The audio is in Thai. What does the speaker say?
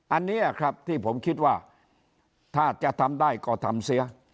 อันนี้ครับที่ผมคิดว่าถ้าจะทำได้ก็ทำเสีย